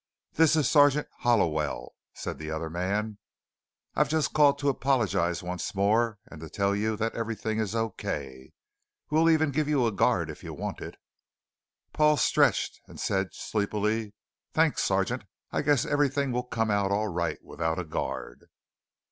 "This is Sergeant Hollowell," said the other man, "I've just called to apologize once more and to tell you that everything is OK. We'll even give you a guard if you want it." Paul stretched and said, sleepily: "Thanks, Sergeant. I guess everything will come out all right without a guard."